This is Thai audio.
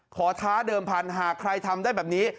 ท้าเดิมพันธุ์หากใครทำได้แบบนี้